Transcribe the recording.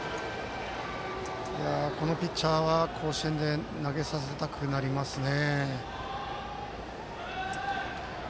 このピッチャーは甲子園で投げさせたくなりますね。